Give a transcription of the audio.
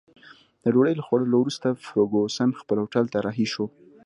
د ډوډۍ له خوړلو وروسته فرګوسن خپل هوټل ته رهي شوه.